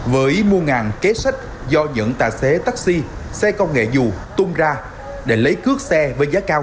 với mua kế sách do những tài xế taxi xe công nghệ dù tung ra để lấy cướp xe với giá cao